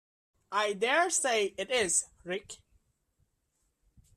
I dare say it is, Rick.